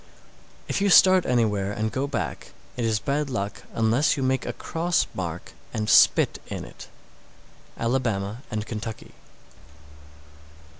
_ 662. If you start anywhere and go back, it is bad luck unless you make a cross mark and spit in it. _Alabama and Kentucky.